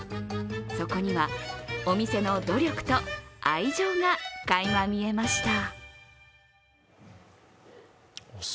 そこには、お店の努力と愛情がかいま見えました。